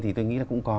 thì tôi nghĩ là cũng có